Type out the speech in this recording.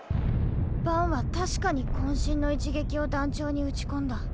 バンは確かに渾身の一撃を団長に打ち込んだ。